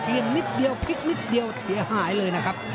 นิดเดียวพลิกนิดเดียวเสียหายเลยนะครับ